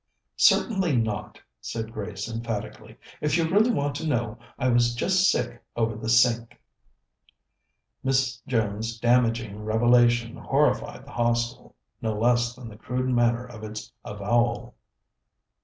"Certainly not," said Grace emphatically. "If you really want to know, I was just sick over the sink." Miss Jones's damaging revelation horrified the Hostel, no less than the crude manner of its avowal.